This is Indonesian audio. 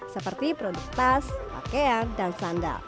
seperti produk tas pakaian dan sandal